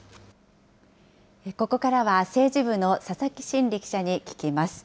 ここからは政治部の佐々木森里記者に聞きます。